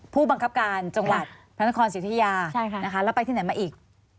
ผู้บังคับการจังหวัดพระนครสิทธิยาแล้วไปที่ไหนมาอีก